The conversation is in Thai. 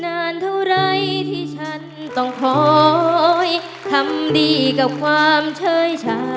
นานเท่าไรที่ฉันต้องคอยทำดีกับความเชยชา